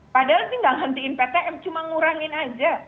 padahal tinggal henti ptm cuma ngurangin aja